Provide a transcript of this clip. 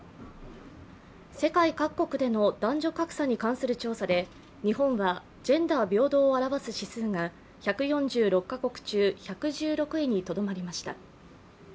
世界各国での男女格差に関する調査で、日本はジェンダー平等を表す指数が１４６カ国中１１６位にとどまりました。